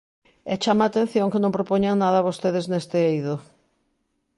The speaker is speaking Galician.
E chama a atención que non propoñan nada vostedes neste eido.